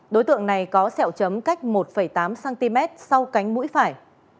đối tượng này có sẹo chấm cách một tám cm sau cánh mũi phải